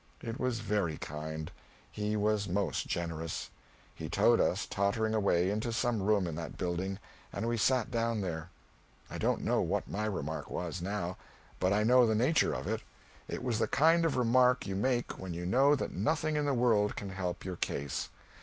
It was very kind he was most generous. He towed us tottering away into some room in that building, and we sat down there. I don't know what my remark was now, but I know the nature of it. It was the kind of remark you make when you know that nothing in the world can help your case.